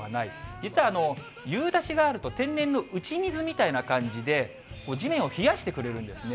実は夕立があると天然の打ち水みたいな感じで、地面を冷やしてくれるんですね。